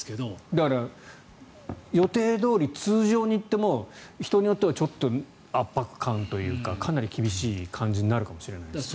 だから、予定どおり通常に行っても人によってはちょっと圧迫感というかかなり厳しい感じになるかもしれないですね。